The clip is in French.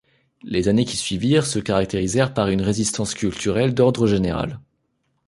Les années qui suivirent se caractérisèrent par une résistance culturelle d'ordre général.